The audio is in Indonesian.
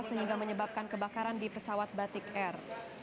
sehingga menyebabkan kebakaran di pesawat batik air